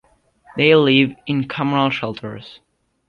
They live in communal shelters.